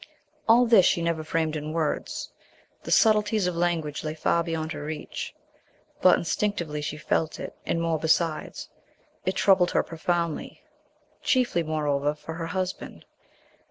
All this she never framed in words, the subtleties of language lay far beyond her reach. But instinctively she felt it; and more besides. It troubled her profoundly. Chiefly, moreover, for her husband.